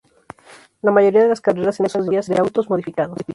La mayoría de las carreras en esos días eran de autos modificados.